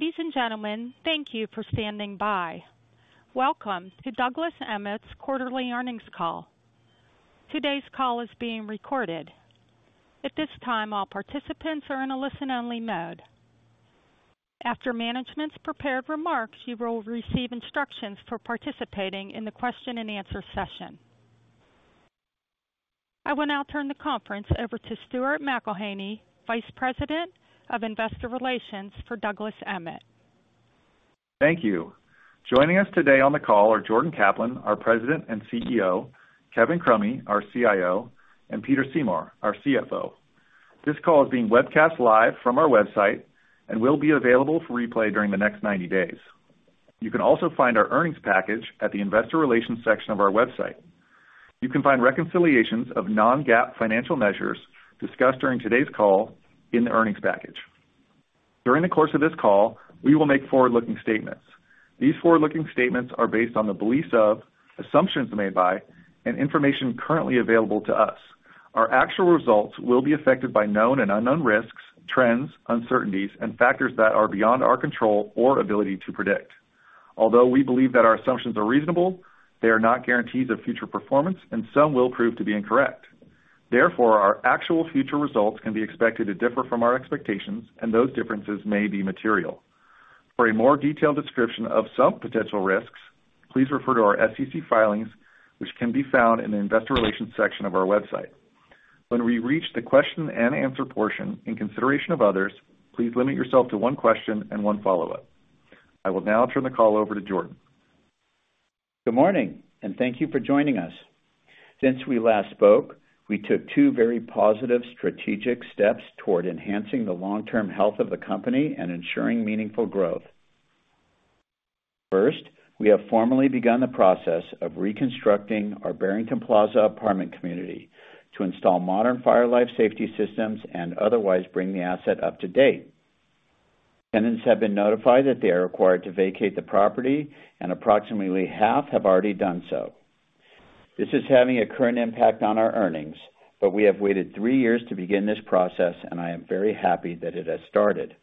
Ladies and gentlemen, thank you for standing by. Welcome to Douglas Emmett's quarterly earnings call. Today's call is being recorded. At this time, all participants are in a listen-only mode. After management's prepared remarks, you will receive instructions for participating in the question-and-answer session. I will now turn the conference over to Stuart McElhaney, Vice President of Investor Relations for Douglas Emmett. Thank you. Joining us today on the call are Jordan Kaplan, our President and CEO, Kevin Crummy, our CIO, and Peter Seymour, our CFO. This call is being webcast live from our website and will be available for replay during the next 90 days. You can also find our earnings package at the investor relations section of our website. You can find reconciliations of non-GAAP financial measures discussed during today's call in the earnings package. During the course of this call, we will make forward-looking statements. These forward-looking statements are based on the beliefs of, assumptions made by, and information currently available to us. Our actual results will be affected by known and unknown risks, trends, uncertainties, and factors that are beyond our control or ability to predict. Although we believe that our assumptions are reasonable, they are not guarantees of future performance, and some will prove to be incorrect. Therefore, our actual future results can be expected to differ from our expectations, and those differences may be material. For a more detailed description of some potential risks, please refer to our SEC filings, which can be found in the investor relations section of our website. When we reach the question-and-answer portion, in consideration of others, please limit yourself to one question and one follow-up. I will now turn the call over to Jordan. Good morning, and thank you for joining us. Since we last spoke, we took 2 very positive strategic steps toward enhancing the long-term health of the company and ensuring meaningful growth. First, we have formally begun the process of reconstructing our Barrington Plaza apartment community to install modern fire/life safety systems and otherwise bring the asset up to date. Tenants have been notified that they are required to vacate the property, and approximately half have already done so. This is having a current impact on our earnings, but we have waited 3 years to begin this process, and I am very happy that it has started.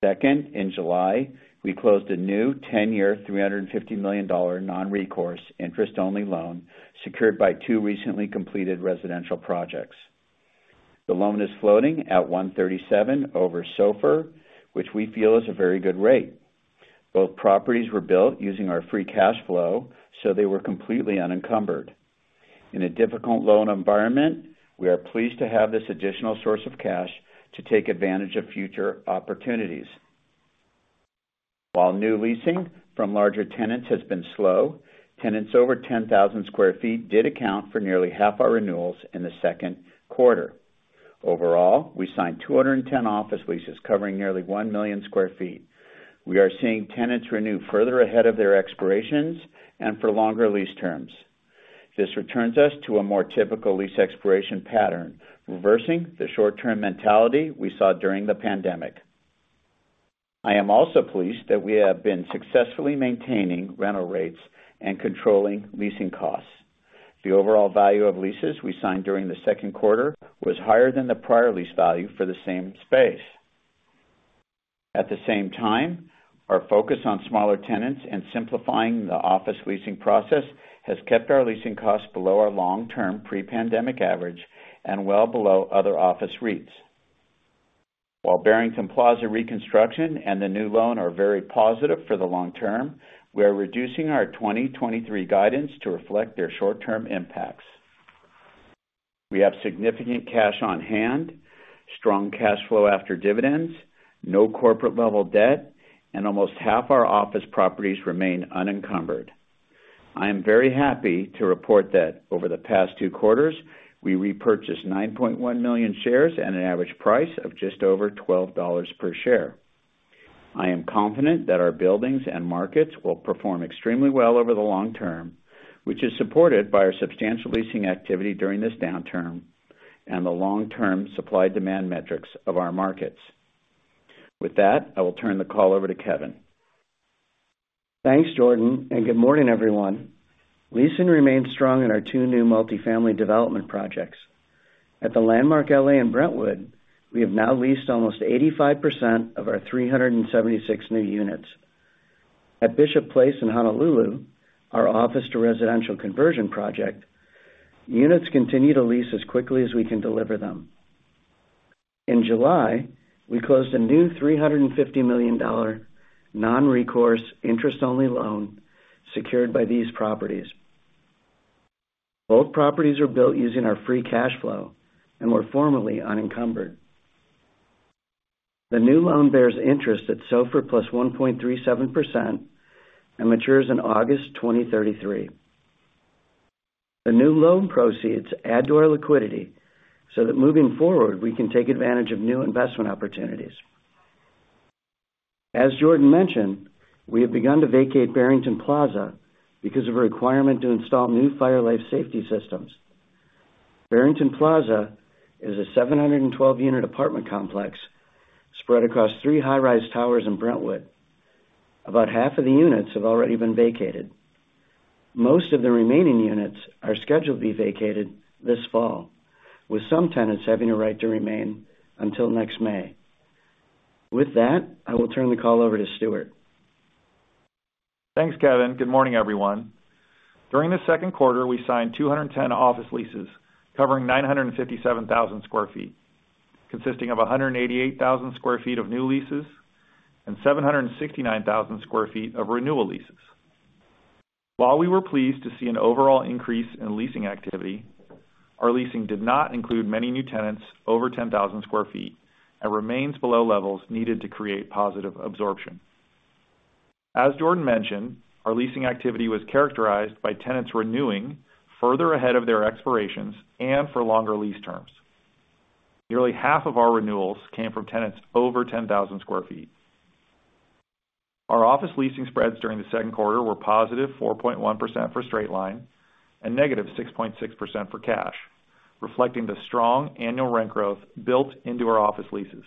Second, in July, we closed a new 10-year, $350 million non-recourse, interest-only loan secured by 2 recently completed residential projects. The loan is floating at 137 over SOFR, which we feel is a very good rate. Both properties were built using our free cash flow, so they were completely unencumbered. In a difficult loan environment, we are pleased to have this additional source of cash to take advantage of future opportunities. While new leasing from larger tenants has been slow, tenants over 10,000 sq ft did account for nearly half our renewals in the second quarter. Overall, we signed 210 office leases covering nearly 1 million sq ft. We are seeing tenants renew further ahead of their expirations and for longer lease terms. This returns us to a more typical lease expiration pattern, reversing the short-term mentality we saw during the pandemic. I am also pleased that we have been successfully maintaining rental rates and controlling leasing costs. The overall value of leases we signed during the second quarter was higher than the prior lease value for the same space. At the same time, our focus on smaller tenants and simplifying the office leasing process has kept our leasing costs below our long-term pre-pandemic average and well below other office REITs. While Barrington Plaza reconstruction and the new loan are very positive for the long term, we are reducing our 2023 guidance to reflect their short-term impacts. We have significant cash on hand, strong cash flow after dividends, no corporate level debt, and almost half our office properties remain unencumbered. I am very happy to report that over the past two quarters, we repurchased 9.1 million shares at an average price of just over $12 per share. I am confident that our buildings and markets will perform extremely well over the long term, which is supported by our substantial leasing activity during this downturn and the long-term supply-demand metrics of our markets. With that, I will turn the call over to Kevin. Thanks, Jordan, and good morning, everyone. Leasing remains strong in our two new multifamily development projects. At the Landmark LA in Brentwood, we have now leased almost 85% of our 376 new units. At Bishop Place in Honolulu, our office-to-residential conversion project, units continue to lease as quickly as we can deliver them. In July, we closed a new $350 million non-recourse, interest-only loan secured by these properties. Both properties were built using our free cash flow and were formerly unencumbered. The new loan bears interest at SOFR plus 1.37% and matures in August 2033. The new loan proceeds add to our liquidity so that moving forward, we can take advantage of new investment opportunities. As Jordan mentioned, we have begun to vacate Barrington Plaza because of a requirement to install new fire/life safety systems. Barrington Plaza is a 712-unit apartment complex spread across three high-rise towers in Brentwood. About half of the units have already been vacated. most of the remaining units are scheduled to be vacated this fall, with some tenants having a right to remain until next May. With that, I will turn the call over to Stuart. Thanks, Kevin. Good morning, everyone. During the second quarter, we signed 210 office leases covering 957,000 sq ft, consisting of 188,000 sq ft of new leases and 769,000 sq ft of renewal leases. While we were pleased to see an overall increase in leasing activity, our leasing did not include many new tenants over 10,000 sq ft and remains below levels needed to create positive absorption. As Jordan mentioned, our leasing activity was characterized by tenants renewing further ahead of their expirations and for longer lease terms. Nearly half of our renewals came from tenants over 10,000 sq ft. Our office leasing spreads during the second quarter were positive 4.1% for straight-line and negative 6.6% for cash, reflecting the strong annual rent growth built into our office leases.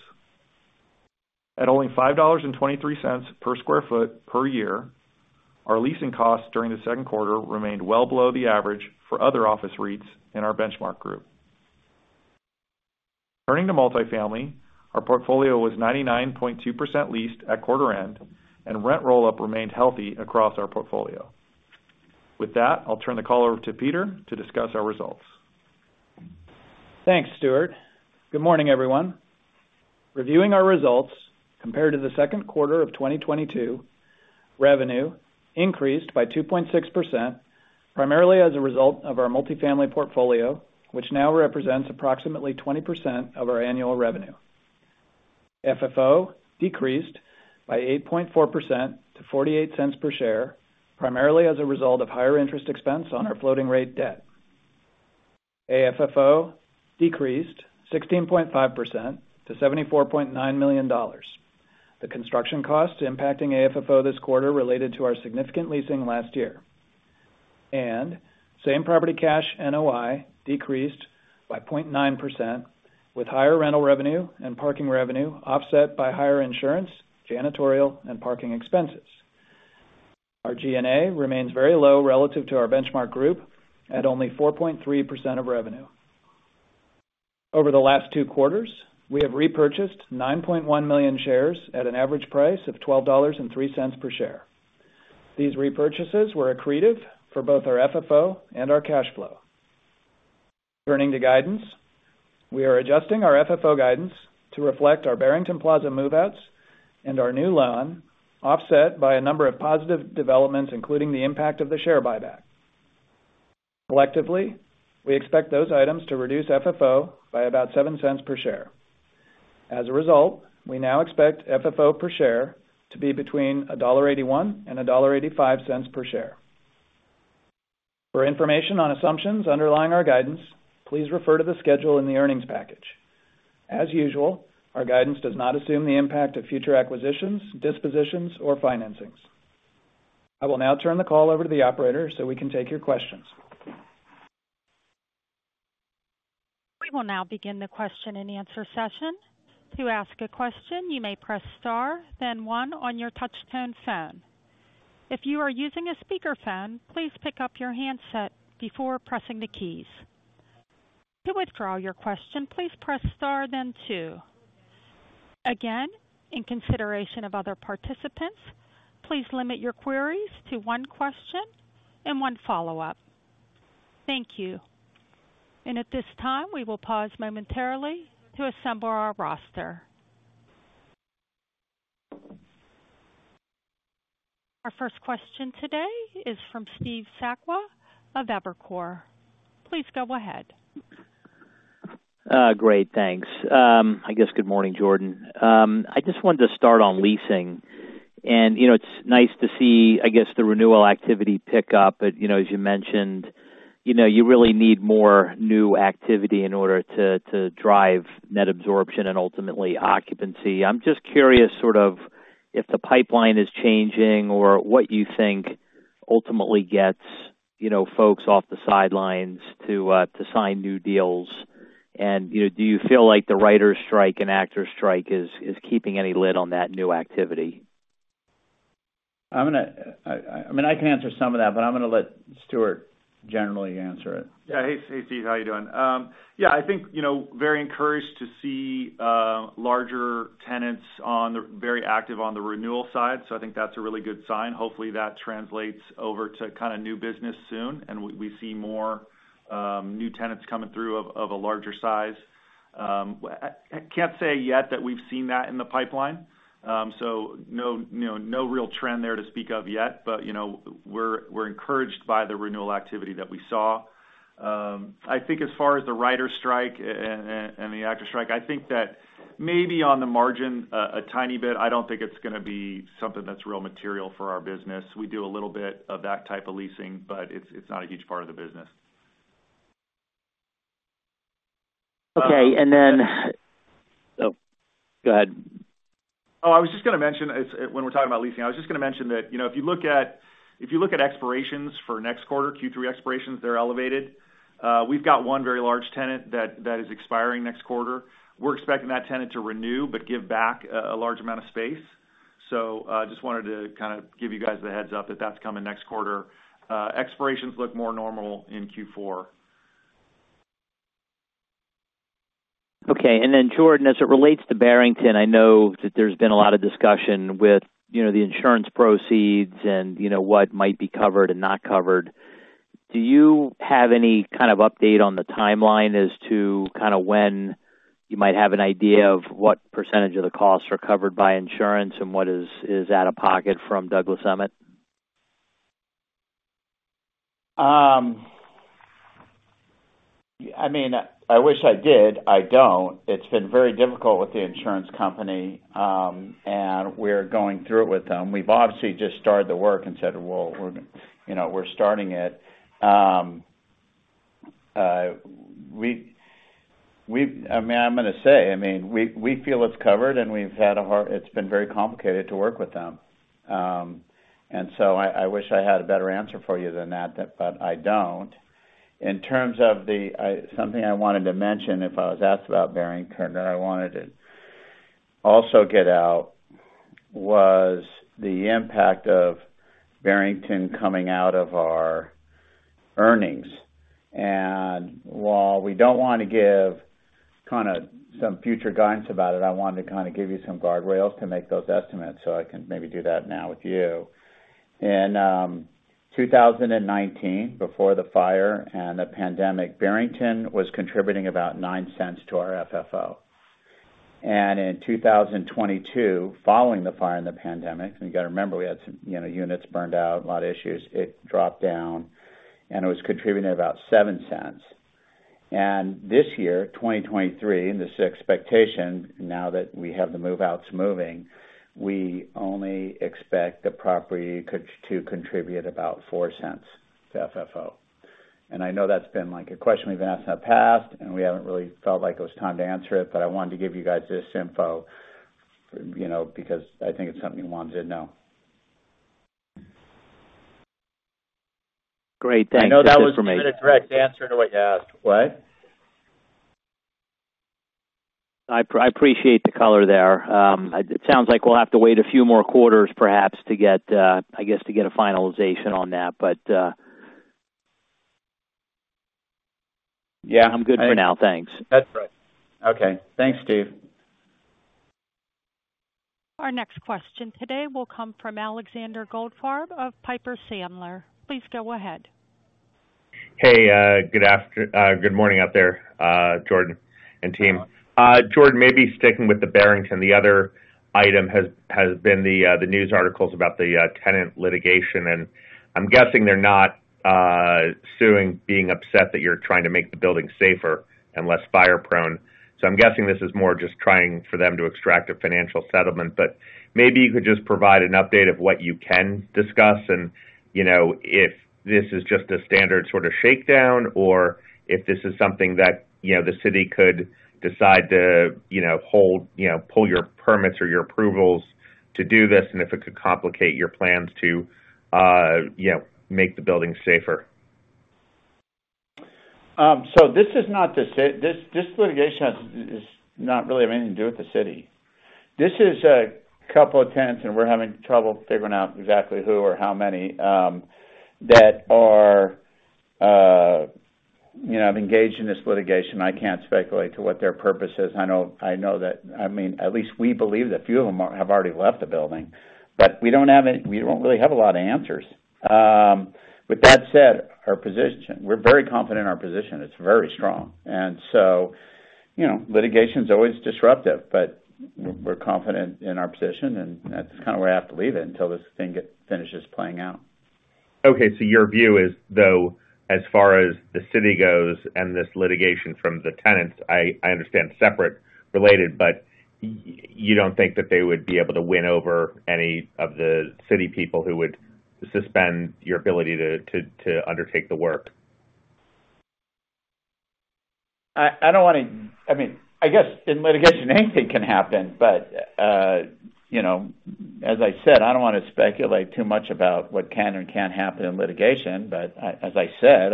At only $5.23 per sq ft per year, our leasing costs during the second quarter remained well below the average for other office REITs in our benchmark group. Turning to multifamily, our portfolio was 99.2% leased at quarter end, and rent roll-up remained healthy across our portfolio. With that, I'll turn the call over to Peter to discuss our results. Thanks, Stuart. Good morning, everyone. Reviewing our results compared to the second quarter of 2022, revenue increased by 2.6%, primarily as a result of our multifamily portfolio, which now represents approximately 20% of our annual revenue. FFO decreased by 8.4% to $0.48 per share, primarily as a result of higher interest expense on our floating rate debt. AFFO decreased 16.5% to $74.9 million. The construction costs impacting AFFO this quarter related to our significant leasing last year. Same-property cash NOI decreased by 0.9%, with higher rental revenue and parking revenue offset by higher insurance, janitorial, and parking expenses. Our G&A remains very low relative to our benchmark group at only 4.3% of revenue. Over the last two quarters, we have repurchased 9.1 million shares at an average price of $12.03 per share. These repurchases were accretive for both our FFO and our cash flow. Turning to guidance, we are adjusting our FFO guidance to reflect our Barrington Plaza move-outs and our new loan, offset by a number of positive developments, including the impact of the share buyback. Collectively, we expect those items to reduce FFO by about $0.07 per share. As a result, we now expect FFO per share to be between $1.81 and $1.85 per share. For information on assumptions underlying our guidance, please refer to the schedule in the earnings package. As usual, our guidance does not assume the impact of future acquisitions, dispositions, or financings. I will now turn the call over to the operator, so we can take your questions. We will now begin the question-and-answer session. To ask a question, you may press star, then one on your touchtone phone. If you are using a speakerphone, please pick up your handset before pressing the keys. To withdraw your question, please press star, then two. Again, in consideration of other participants, please limit your queries to one question and one follow-up. Thank you. At this time, we will pause momentarily to assemble our roster. Our first question today is from Steve Sakwa of Evercore. Please go ahead. Great, thanks. I guess good morning, Jordan. I just wanted to start on leasing, and, you know, it's nice to see, I guess, the renewal activity pick up. But, you know, as you mentioned, you know, you really need more new activity in order to, to drive net absorption and ultimately occupancy. I'm just curious sort of if the pipeline is changing or what you think ultimately gets, you know, folks off the sidelines to, to sign new deals. Do you feel like the writers' strike and actors' strike is, is keeping any lid on that new activity? I, I mean, I can answer some of that, but I'm gonna let Stuart generally answer it. Yeah. Hey, Steve. How are you doing? Yeah, I think, you know, very encouraged to see larger tenants very active on the renewal side, so I think that's a really good sign. Hopefully, that translates over to kinda new business soon, and we, we see more new tenants coming through of a larger size. I, I can't say yet that we've seen that in the pipeline. No, you know, no real trend there to speak of yet, but, you know, we're, we're encouraged by the renewal activity that we saw. I think as far as the writers' strike and the actors' strike, I think that maybe on the margin, a tiny bit, I don't think it's gonna be something that's real material for our business. We do a little bit of that type of leasing, but it's, it's not a huge part of the business. Okay. Then... Oh, go ahead. I was just gonna mention, when we're talking about leasing, I was just gonna mention that, you know, if you look at expirations for next quarter, Q3 expirations, they're elevated. We've got one very large tenant that, that is expiring next quarter. We're expecting that tenant to renew, but give back a, a large amount of space.... just wanted to kind of give you guys a heads up that that's coming next quarter. Expirations look more normal in Q4. Okay. Then, Jordan, as it relates to Barrington, I know that there's been a lot of discussion with, you know, the insurance proceeds and, you know, what might be covered and not covered. Do you have any kind of update on the timeline as to kind of when you might have an idea of what % of the costs are covered by insurance and what is out-of-pocket from Douglas Emmett? I mean, I wish I did. I don't. It's been very difficult with the insurance company, and we're going through it with them. We've obviously just started the work and said, "Well, we're, you know, we're starting it." I mean, I'm gonna say, I mean, we feel it's covered, and we've had a hard... It's been very complicated to work with them. So I, I wish I had a better answer for you than that, but I don't. In terms of the... Something I wanted to mention, if I was asked about Barrington, that I wanted to also get out, was the impact of Barrington coming out of our earnings. While we don't want to give kind of some future guidance about it, I wanted to kind of give you some guardrails to make those estimates, so I can maybe do that now with you. In 2019, before the fire and the pandemic, Barrington was contributing about $0.09 to our FFO. In 2022, following the fire and the pandemic, you gotta remember, we had some, you know, units burned out, a lot of issues, it dropped down, and it was contributing about $0.07. This year, 2023, this expectation, now that we have the move-outs moving, we only expect the property to contribute about $0.04 to FFO. I know that's been, like, a question we've been asked in the past, and we haven't really felt like it was time to answer it, but I wanted to give you guys this info, you know, because I think it's something you wanted to know. Great, thanks. I know that wasn't a direct answer to what you asked. What? I appreciate the color there. It sounds like we'll have to wait a few more quarters perhaps to get, I guess, to get a finalization on that, but. Yeah. I'm good for now. Thanks. That's right. Okay. Thanks, Steve. Our next question today will come from Alexander Goldfarb of Piper Sandler. Please go ahead. Hey, good morning out there, Jordan and team. Jordan, maybe sticking with the Barrington, the other item has, has been the news articles about the tenant litigation, and I'm guessing they're not suing, being upset that you're trying to make the building safer and less fire prone. I'm guessing this is more just trying for them to extract a financial settlement, but maybe you could just provide an update of what you can discuss and, you know, if this is just a standard sort of shakedown or if this is something that, you know, the city could decide to, you know, hold, you know, pull your permits or your approvals to do this, and if it could complicate your plans to, you know, make the building safer? So this is not the This, this litigation has, is not really have anything to do with the city. This is a couple of tenants, and we're having trouble figuring out exactly who or how many, you know, have engaged in this litigation. I can't speculate to what their purpose is. I know, I know that I mean, at least we believe that a few of them have already left the building, but we don't really have a lot of answers. With that said, our position, we're very confident in our position. It's very strong. You know, litigation's always disruptive, but we're confident in our position, and that's kind of where I have to leave it until this thing finishes playing out. Okay, your view is, though, as far as the city goes and this litigation from the tenants, I understand separate related, but you don't think that they would be able to win over any of the city people who would suspend your ability to undertake the work? I don't want to. I mean, I guess in litigation, anything can happen. You know, as I said, I don't want to speculate too much about what can or can't happen in litigation. As I said,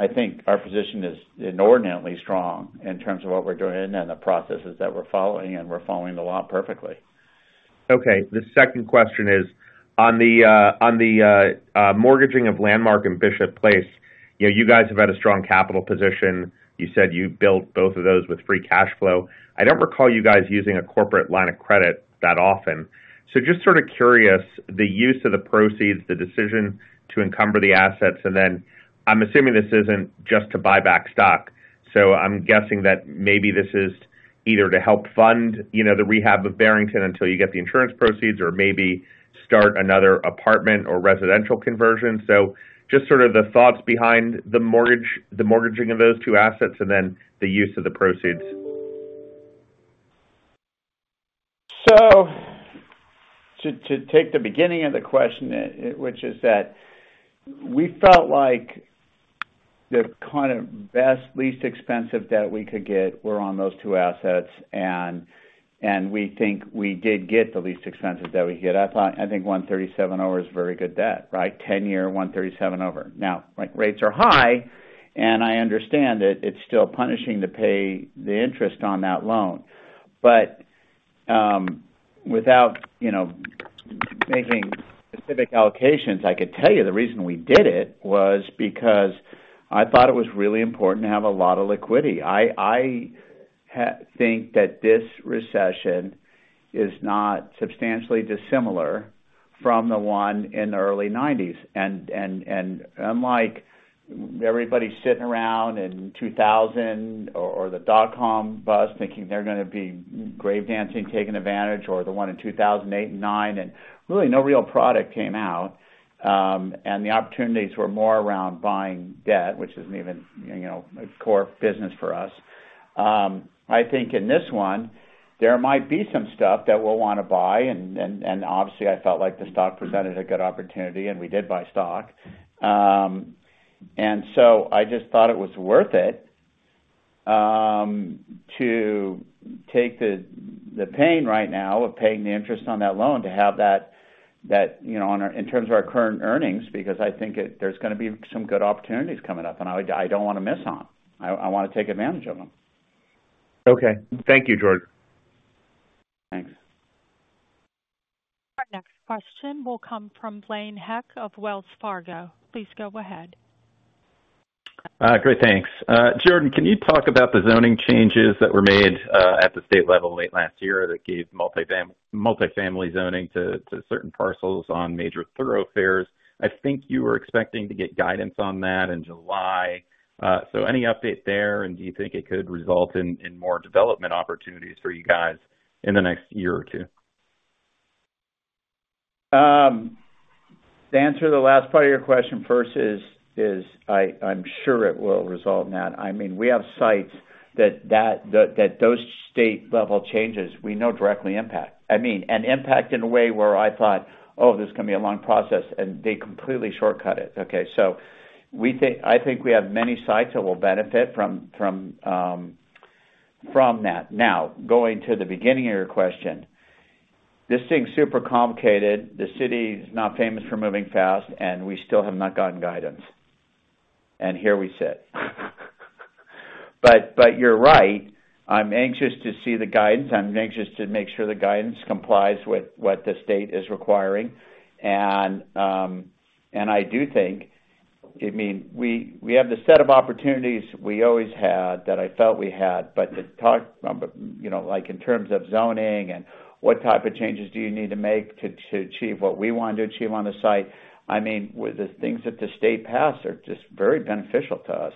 I think our position is inordinately strong in terms of what we're doing and the processes that we're following, and we're following the law perfectly. Okay. The second question is, on the, on the, mortgaging of Landmark and Bishop Place, you know, you guys have had a strong capital position. You said you built both of those with free cash flow. I don't recall you guys using a corporate line of credit that often. Just sort of curious, the use of the proceeds, the decision to encumber the assets, and then I'm assuming this isn't just to buy back stock. I'm guessing that maybe this is either to help fund, you know, the rehab of Barrington until you get the insurance proceeds or maybe start another apartment or residential conversion. Just sort of the thoughts behind the mortgage, the mortgaging of those two assets and then the use of the proceeds? To, to take the beginning of the question, which is that we felt like the kind of best, least expensive debt we could get were on those two assets, and we think we did get the least expensive debt we could get. I think 137 over is very good debt, right? 10-year, 137 over. Now, rates are high, and I understand that it's still punishing to pay the interest on that loan. Without, you know... making specific allocations, I could tell you the reason we did it was because I thought it was really important to have a lot of liquidity. I think that this recession is not substantially dissimilar from the one in the early 1990s. Unlike everybody sitting around in 2000 or the dot-com bust, thinking they're gonna be grave dancing, taking advantage, or the one in 2008 and 2009, and really, no real product came out, and the opportunities were more around buying debt, which isn't even, you know, a core business for us. I think in this one, there might be some stuff that we'll wanna buy, and obviously, I felt like the stock presented a good opportunity, and we did buy stock. So I just thought it was worth it to take the pain right now of paying the interest on that loan to have that, you know, on our-- in terms of our current earnings, because I think there's gonna be some good opportunities coming up, and I, I don't wanna miss on. I wanna take advantage of them. Okay. Thank you, George. Thanks. Our next question will come from Blaine Heck of Wells Fargo. Please go ahead. Great, thanks. Jordan, can you talk about the zoning changes that were made at the state level late last year, that gave multifamily, multifamily zoning to certain parcels on major thoroughfares? I think you were expecting to get guidance on that in July. Any update there, and do you think it could result in more development opportunities for you guys in the next year or two? To answer the last part of your question first is, is I, I'm sure it will result in that. I mean, we have sites that, that, that, those state-level changes, we know directly impact. I mean, an impact in a way where I thought, "Oh, this is gonna be a long process," and they completely shortcut it, okay? We think-- I think we have many sites that will benefit from, from, from that. Now, going to the beginning of your question, this thing's super complicated. The city is not famous for moving fast, and we still have not gotten guidance, and here we sit. But you're right. I'm anxious to see the guidance. I'm anxious to make sure the guidance complies with what the state is requiring. And, and I do think... I mean, we, we have the set of opportunities we always had, that I felt we had, but to talk, you know, like, in terms of zoning and what type of changes do you need to make to, to achieve what we want to achieve on the site? I mean, with the things that the state passed are just very beneficial to us,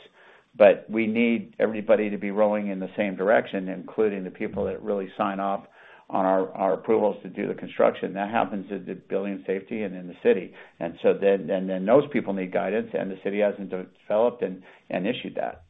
but we need everybody to be rowing in the same direction, including the people that really sign off on our, our approvals to do the construction. That happens at the building safety and in the city. So then, and then those people need guidance, and the city hasn't developed and issued that.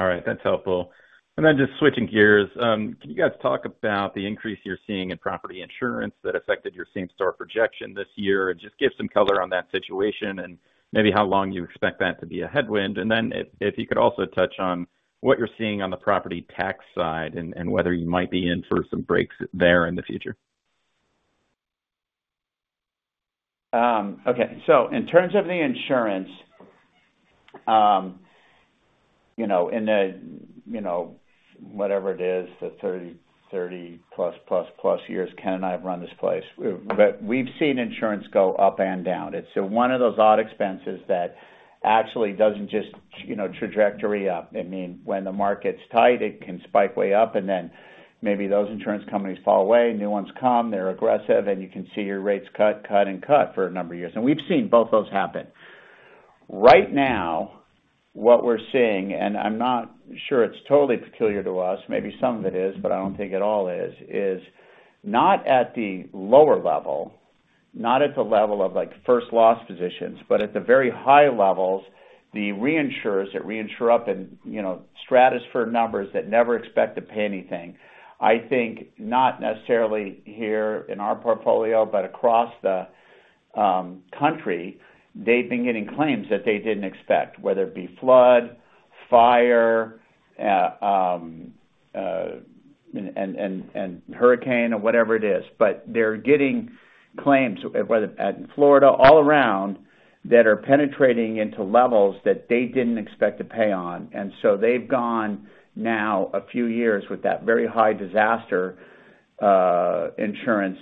All right. That's helpful. Just switching gears, can you guys talk about the increase you're seeing in property insurance that affected your same-store projection this year? And just give some color on that situation and maybe how long you expect that to be a headwind. If, if you could also touch on what you're seeing on the property tax side, and, and whether you might be in for some breaks there in the future. Okay. In terms of the insurance, you know, in the, you know, whatever it is, the 30, 30 plus, plus, plus years Ken and I have run this place, we've, but we've seen insurance go up and down. It's one of those odd expenses that actually doesn't just, you know, trajectory up. I mean, when the market's tight, it can spike way up, and then maybe those insurance companies fall away, new ones come, they're aggressive, and you can see your rates cut, cut, and cut for a number of years. We've seen both those happen. Right now, what we're seeing, and I'm not sure it's totally peculiar to us, maybe some of it is, but I don't think it all is, is not at the lower level, not at the level of, like, first loss positions, but at the very high levels, the reinsurers that reinsure up in, you know, stratosphere numbers that never expect to pay anything. I think not necessarily here in our portfolio, but across the country, they've been getting claims that they didn't expect, whether it be flood, fire, and hurricane or whatever it is. They're getting claims, whether at Florida, all around, that are penetrating into levels that they didn't expect to pay on. They've gone now a few years with that very high disaster, insurance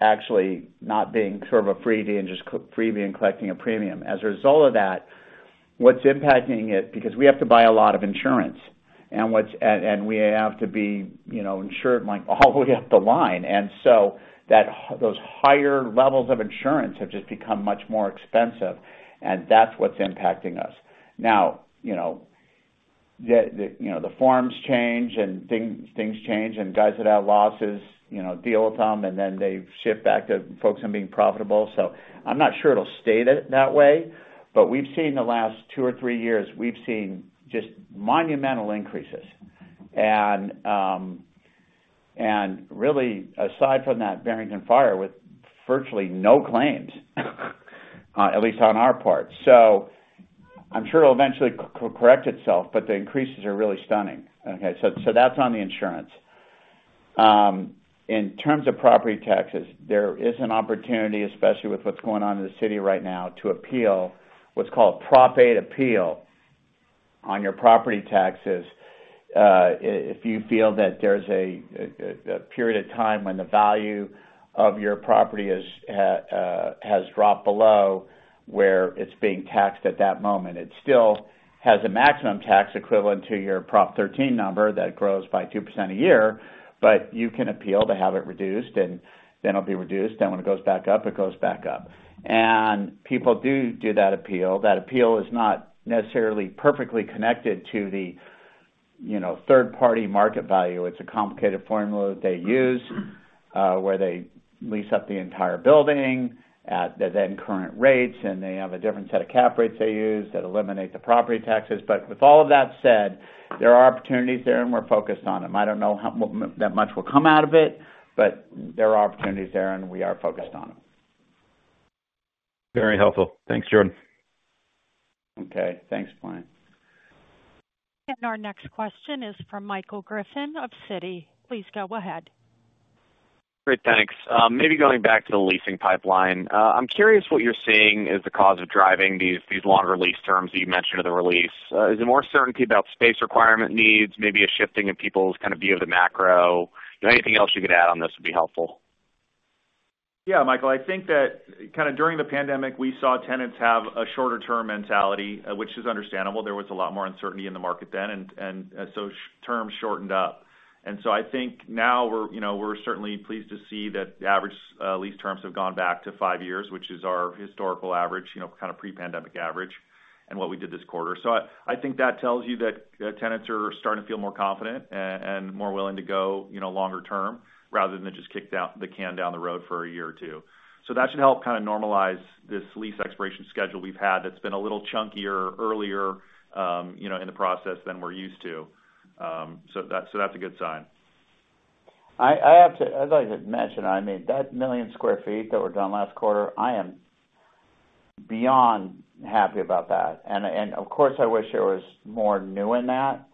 actually not being sort of a freebie and just freebie and collecting a premium. As a result of that, what's impacting it, because we have to buy a lot of insurance. We have to be, you know, insured, like, all the way up the line. Those higher levels of insurance have just become much more expensive, and that's what's impacting us. Now, you know, the, you know, the forms change and things, things change, and guys that have losses, you know, deal with them, and then they shift back to focusing on being profitable. I'm not sure it'll stay that way, but we've seen the last two or three years, we've seen just monumental increases. Really, aside from that Barrington fire with virtually no claims, at least on our part. I'm sure it'll eventually correct itself, but the increases are really stunning. That's on the insurance. In terms of property taxes, there is an opportunity, especially with what's going on in the city right now, to appeal what's called Proposition 8 appeal on your property taxes, if you feel that there's a period of time when the value of your property is has dropped below where it's being taxed at that moment. It still has a maximum tax equivalent to your Proposition 13 number that grows by 2% a year, but you can appeal to have it reduced, and then it'll be reduced, then when it goes back up, it goes back up. People do do that appeal. That appeal is not necessarily perfectly connected to the, you know, third-party market value. It's a complicated formula that they use, where they lease up the entire building at the then current rates, and they have a different set of cap rates they use that eliminate the property taxes. With all of that said, there are opportunities there, and we're focused on them. I don't know how that much will come out of it, but there are opportunities there, and we are focused on them. Very helpful. Thanks, Jordan. Okay, thanks, Brian. Our next question is from Michael Griffin of Citi. Please go ahead. Great, thanks. Maybe going back to the leasing pipeline. I'm curious what you're seeing is the cause of driving these, these longer lease terms that you mentioned in the release. Is it more certainty about space requirement needs, maybe a shifting in people's kind of view of the macro? Anything else you could add on this would be helpful. Yeah, Michael, I think that kind of during the pandemic, we saw tenants have a shorter-term mentality, which is understandable. There was a lot more uncertainty in the market then, and so terms shortened up. So I think now we're, you know, we're certainly pleased to see that the average lease terms have gone back to five years, which is our historical average, you know, kind of pre-pandemic average and what we did this quarter. I think that tells you that tenants are starting to feel more confident and more willing to go, you know, longer term, rather than just kick the can down the road for a year or two. That should help kind of normalize this lease expiration schedule we've had that's been a little chunkier earlier, you know, in the process than we're used to. That, so that's a good sign. I'd like to mention, I mean, that 1 million sq ft that were done last quarter, I am beyond happy about that. Of course, I wish there was more new in that.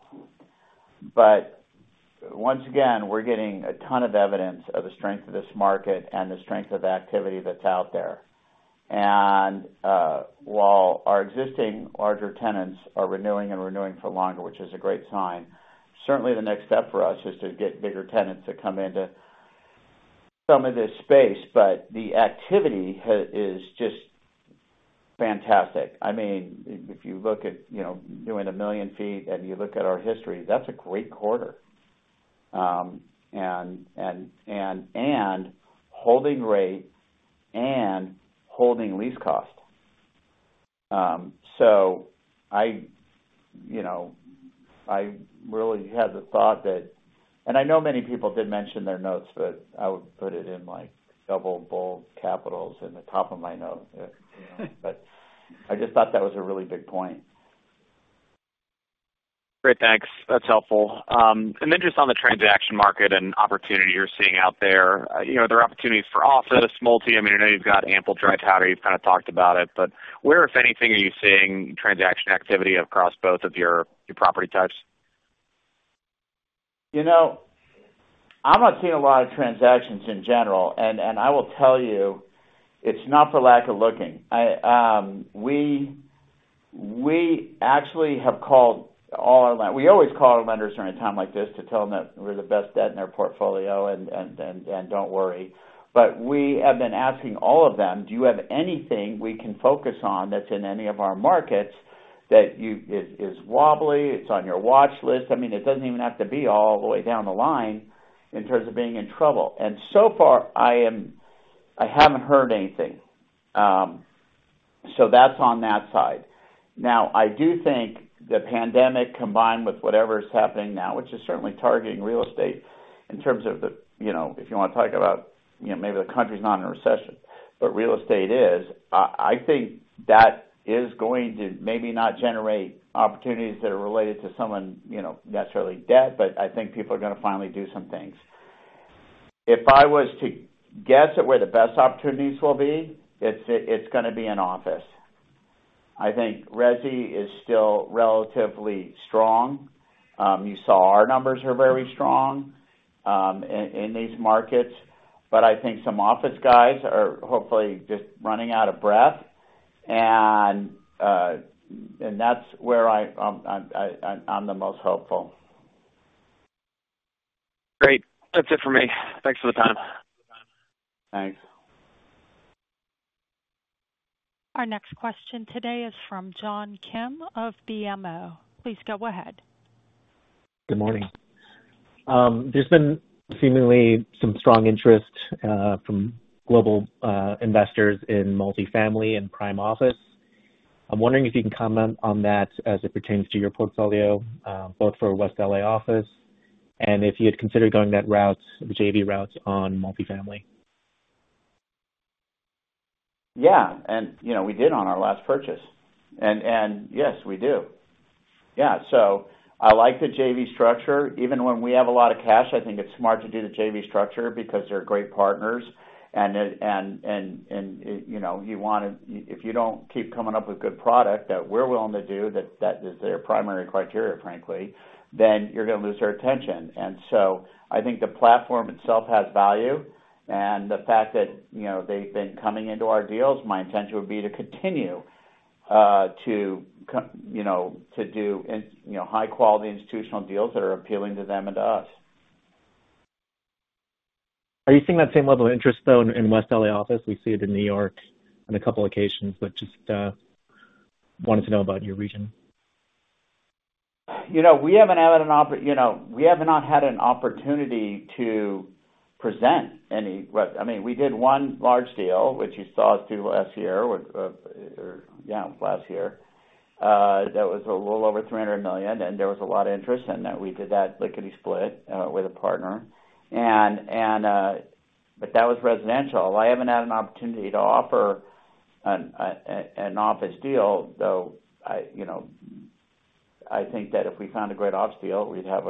Once again, we're getting a ton of evidence of the strength of this market and the strength of the activity that's out there. While our existing larger tenants are renewing and renewing for longer, which is a great sign, certainly the next step for us is to get bigger tenants to come in to some of this space. The activity is just fantastic. I mean, if you look at, you know, doing 1 million sq ft and you look at our history, that's a great quarter. Holding rate and holding lease costs. I, you know, I really had the thought that... I know many people did mention their notes, but I would put it in, like, double bold capitals in the top of my note. I just thought that was a really big point. Great, thanks. That's helpful. Then just on the transaction market and opportunity you're seeing out there, you know, there are opportunities for office, multi. I mean, I know you've got ample dry powder. You've kind of talked about it, but where, if anything, are you seeing transaction activity across both of your, your property types? You know, I'm not seeing a lot of transactions in general, and, and I will tell you, it's not for lack of looking. I, we actually have called all our la- We always call our lenders during a time like this to tell them that we're the best debt in their portfolio and, and, and, and don't worry. We have been asking all of them: Do you have anything we can focus on that's in any of our markets, that is, is wobbly, it's on your watch list? I mean, it doesn't even have to be all the way down the line in terms of being in trouble. So far, I haven't heard anything. That's on that side. Now, I do think the pandemic, combined with whatever is happening now, which is certainly targeting real estate in terms of the, you know, if you want to talk about, you know, maybe the country's not in a recession, but real estate is. I think that is going to maybe not generate opportunities that are related to someone, you know, necessarily debt, but I think people are going to finally do some things. If I was to guess at where the best opportunities will be, it's, it's gonna be in office. I think resi is still relatively strong. You saw our numbers are very strong, in, in these markets, but I think some office guys are hopefully just running out of breath, and that's where I, I, I, I'm the most hopeful. Great. That's it for me. Thanks for the time. Thanks. Our next question today is from John Kim of BMO. Please go ahead. Good morning. There's been seemingly some strong interest from global investors in multifamily and prime office. I'm wondering if you can comment on that as it pertains to your portfolio, both for West LA office and if you had considered going that route, the JV route, on multifamily. Yeah, you know, we did on our last purchase. Yes, we do. Yeah, I like the JV structure. Even when we have a lot of cash, I think it's smart to do the JV structure because they're great partners, and it. You know, you wanna if you don't keep coming up with good product that we're willing to do, that, that is their primary criteria, frankly, then you're going to lose their attention. I think the platform itself has value. The fact that, you know, they've been coming into our deals, my intention would be to continue, you know, to do, you know, high-quality institutional deals that are appealing to them and to us. Are you seeing that same level of interest, though, in West LA office? We see it in New York on a couple occasions, but just wanted to know about your region. You know, we haven't had an opportunity to present any, but, I mean, we did one large deal, which you saw us do last year, or, yeah, last year, that was a little over $300 million, and there was a lot of interest in that. We did that lickety-split with a partner. That was residential. I haven't had an opportunity to offer an office deal, though, I, you know, I think that if we found a great office deal, we'd have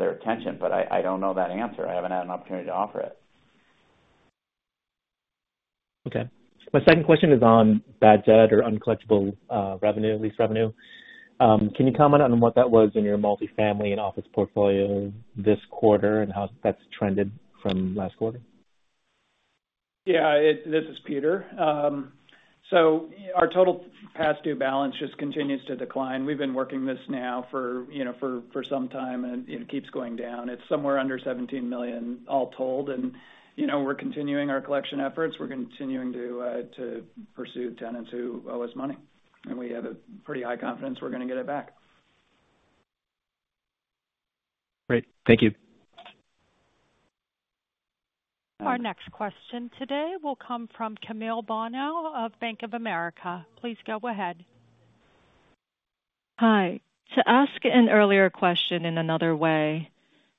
their attention. I don't know that answer. I haven't had an opportunity to offer it. Okay. My second question is on bad debt or uncollectible revenue, lease revenue. Can you comment on what that was in your multifamily and office portfolio this quarter, and how that's trended from last quarter? This is Peter. Our total past due balance just continues to decline. We've been working this now for, you know, for, for some time, and it keeps going down. It's somewhere under $17 million, all told. You know, we're continuing our collection efforts. We're continuing to pursue tenants who owe us money. We have a pretty high confidence we're gonna get it back. Great. Thank you. Our next question today will come from Camille Bonnel of Bank of America. Please go ahead. Hi. To ask an earlier question in another way,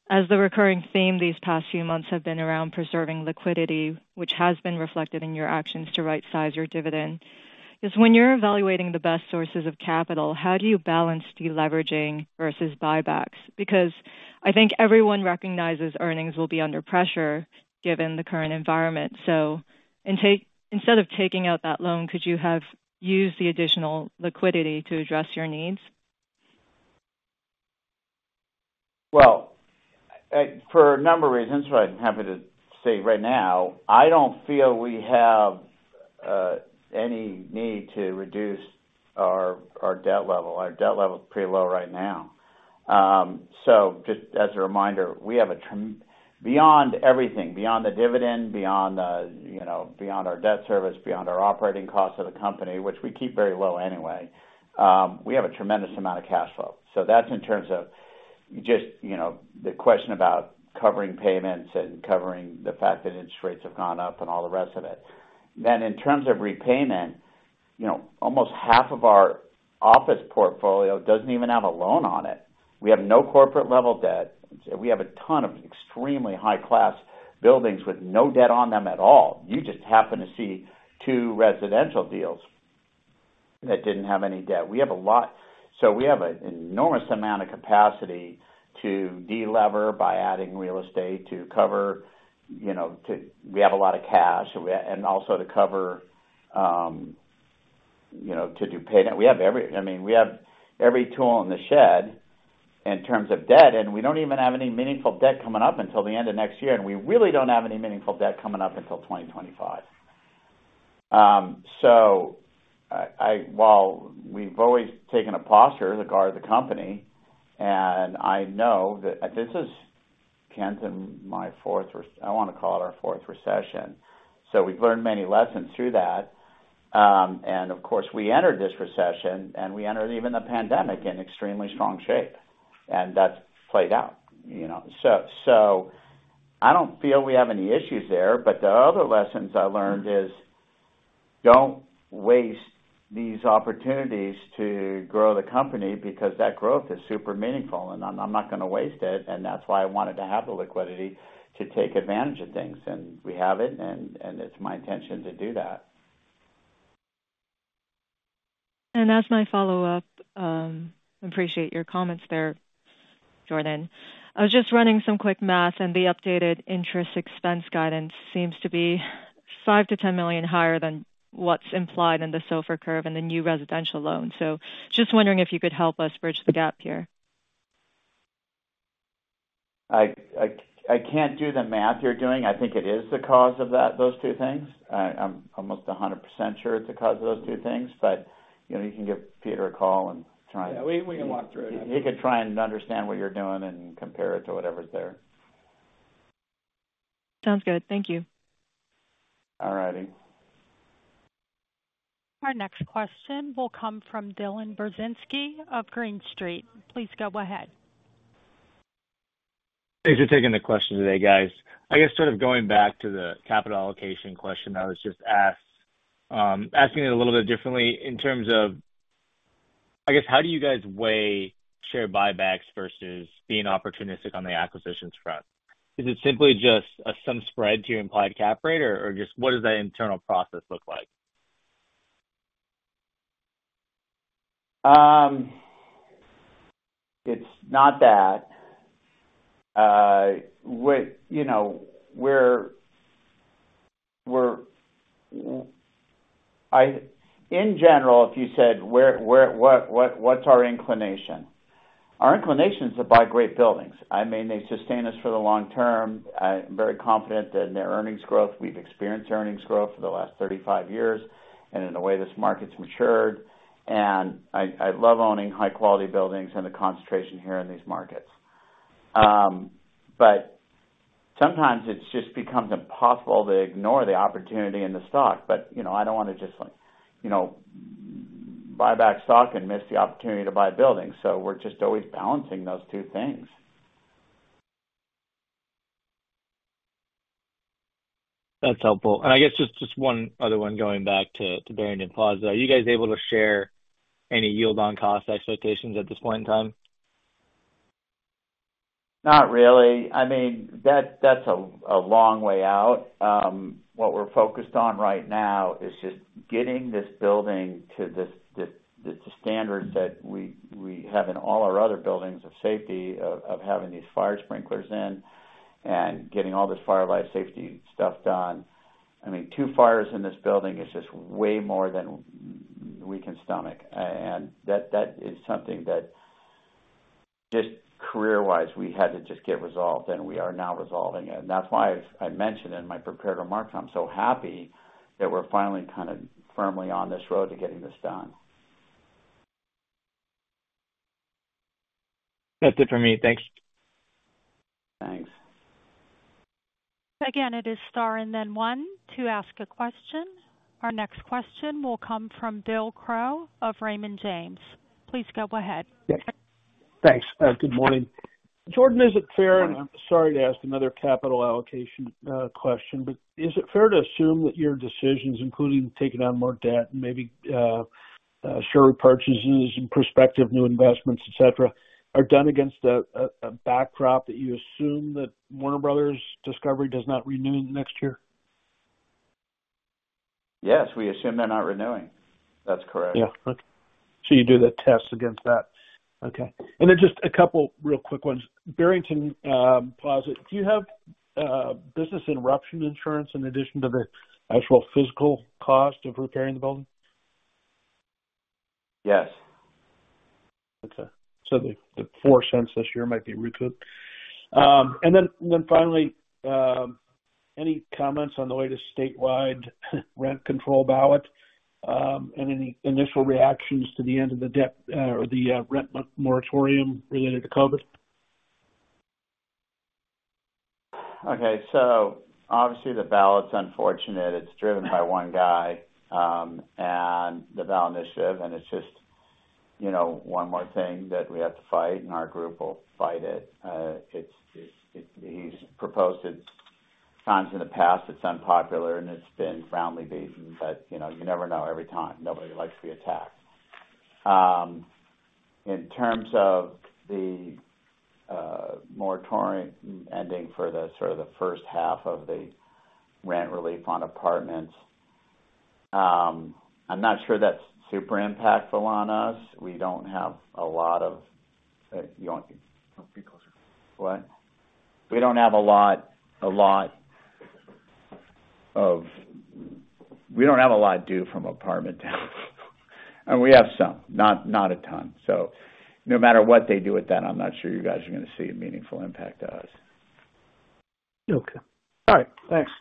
as the recurring theme these past few months have been around preserving liquidity, which has been reflected in your actions to rightsize your dividend, is when you're evaluating the best sources of capital, how do you balance deleveraging versus buybacks? Because I think everyone recognizes earnings will be under pressure, given the current environment. Instead of taking out that loan, could you have used the additional liquidity to address your needs? Well, for a number of reasons, what I'm happy to say right now, I don't feel we have any need to reduce our, our debt level. Our debt level is pretty low right now. Just as a reminder, we have beyond everything, beyond the dividend, beyond the, you know, beyond our debt service, beyond our operating costs of the company, which we keep very low anyway, we have a tremendous amount of cash flow. That's in terms of just, you know, the question about covering payments and covering the fact that interest rates have gone up and all the rest of it. In terms of repayment, you know, almost half of our office portfolio doesn't even have a loan on it. We have no corporate-level debt. We have a ton of extremely high-class buildings with no debt on them at all. You just happen to see two residential deals that didn't have any debt. We have a lot. We have an enormous amount of capacity to delever by adding real estate, to cover, you know, to. We have a lot of cash, and also to cover, you know, to do paydown. We have I mean, we have every tool in the shed in terms of debt, and we don't even have any meaningful debt coming up until the end of next year, and we really don't have any meaningful debt coming up until 2025. While we've always taken a posture to guard the company, and I know that this is, Kent, my fourth rec- I want to call it our fourth recession, so we've learned many lessons through that. Of course, we entered this recession, and we entered even the pandemic in extremely strong shape, and that's played out, you know. So I don't feel we have any issues there, but the other lessons I learned is, don't waste these opportunities to grow the company because that growth is super meaningful, and I'm, I'm not gonna waste it, and that's why I wanted to have the liquidity to take advantage of things, and we have it, and, and it's my intention to do that. As my follow-up, appreciate your comments there, Jordan. I was just running some quick math, and the updated interest expense guidance seems to be $5 million-$10 million higher than what's implied in the SOFR curve and the new residential loan. Just wondering if you could help us bridge the gap here. I, I, I can't do the math you're doing. I think it is the cause of that, those two things. I, I'm almost 100% sure it's the cause of those two things, but, you know, you can give Peter a call and try and- Yeah, we, we can walk through it. He could try and understand what you're doing and compare it to whatever's there. Sounds good. Thank you. All righty. Our next question will come from Dylan Brzezinski of Green Street. Please go ahead. Thanks for taking the question today, guys. I guess sort of going back to the capital allocation question that was just asked, asking it a little bit differently, in terms of, I guess, how do you guys weigh share buybacks versus being opportunistic on the acquisitions front? Is it simply just, some spread to your implied cap rate, or, or just what does that internal process look like? It's not that. What, you know, We're in general, if you said, where, where, what, what, what's our inclination? Our inclination is to buy great buildings. I mean, they sustain us for the long term. I'm very confident in their earnings growth. We've experienced earnings growth for the last 35 years and in the way this market's matured, and I, I love owning high-quality buildings and the concentration here in these markets. Sometimes it just becomes impossible to ignore the opportunity in the stock. You know, I don't wanna just, like, you know, buy back stock and miss the opportunity to buy a building. We're just always balancing those two things. That's helpful. I guess just, just one other one, going back to, to Barrington Plaza. Are you guys able to share any yield on cost expectations at this point in time? Not really. I mean, that, that's a long way out. What we're focused on right now is just getting this building to the standards that we have in all our other buildings of safety, of having these fire sprinklers in and getting all this fire/life safety stuff done. I mean, two fires in this building is just way more than we can stomach, and that, that is something that just career-wise, we had to just get resolved, and we are now resolving it. That's why, as I mentioned in my prepared remarks, I'm so happy that we're finally kind of firmly on this road to getting this done. That's it for me. Thanks. Thanks. It is star and then one to ask a question. Our next question will come from Bill Crow of Raymond James. Please go ahead. Yes. Thanks. good morning. Jordan, is it fair, and I'm sorry to ask another capital allocation question, but is it fair to assume that your decisions, including taking on more debt and maybe share repurchases and prospective new investments, et cetera, are done against a backdrop that you assume that Warner Bros. Discovery does not renew next year? Yes, we assume they're not renewing. That's correct. Yeah. Okay. you do the test against that. Okay. then just a couple real quick ones. Barrington Plaza, do you have business interruption insurance in addition to the actual physical cost of repairing the building? Yes. Okay. the, the $0.04 this year might be recouped. Finally, any comments on the latest statewide rent control ballot, and any initial reactions to the end of the debt, or the, rent moratorium related to COVID? Okay. Obviously, the ballot's unfortunate. It's driven by 1 guy, and the ballot initiative, it's just, you know, 1 more thing that we have to fight, and our group will fight it. He's proposed it times in the past. It's unpopular, and it's been roundly beaten, you know, you never know every time. Nobody likes to be attacked. In terms of the moratorium ending for the sort of the 1st half of the rent relief on apartments, I'm not sure that's super impactful on us. We don't have a lot of... You want? Come closer. What? We don't have a lot due from apartment tenants. I mean, we have some, not, not a ton. No matter what they do with that, I'm not sure you guys are gonna see a meaningful impact to us. Okay. All right. Thanks.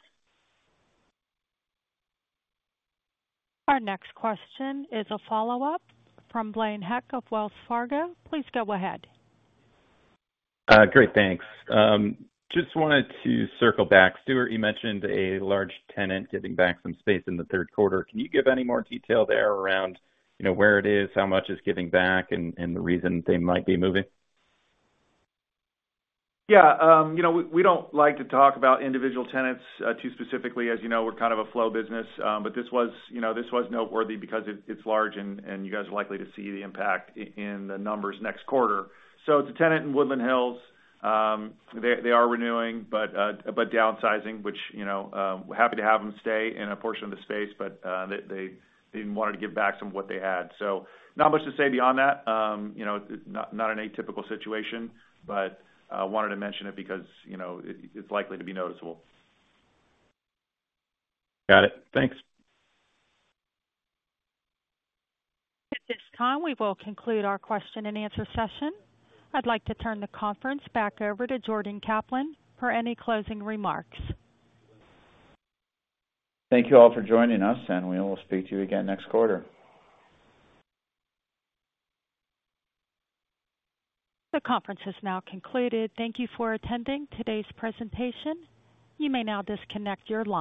Our next question is a follow-up from Blaine Heck of Wells Fargo. Please go ahead. Great, thanks. Just wanted to circle back. Stuart, you mentioned a large tenant giving back some space in the third quarter. Can you give any more detail there around, you know, where it is, how much it's giving back, and, and the reason they might be moving? Yeah, you know, we, we don't like to talk about individual tenants too specifically. As you know, we're kind of a flow business, but this was, you know, this was noteworthy because it's, it's large and, and you guys are likely to see the impact in the numbers next quarter. It's a tenant in Woodland Hills. They, they are renewing but downsizing, which, you know, we're happy to have them stay in a portion of the space, but they, they, they wanted to give back some of what they had. Not much to say beyond that. You know, not, not an atypical situation, but wanted to mention it because, you know, it, it's likely to be noticeable. Got it. Thanks. At this time, we will conclude our question-and-answer session. I'd like to turn the conference back over to Jordan Kaplan for any closing remarks. Thank you all for joining us, and we will speak to you again next quarter. The conference is now concluded. Thank you for attending today's presentation. You may now disconnect your line.